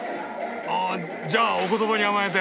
あじゃあお言葉に甘えて！